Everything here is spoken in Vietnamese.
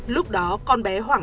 lúc đó con bé hoảng